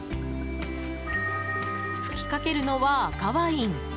吹きかけるのは赤ワイン。